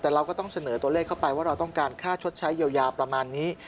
แต่เราก็ต้องเสนอตัวเลขเข้าไปว่าเราต้องการค่าชดใช้เยียวยาประมาณนี้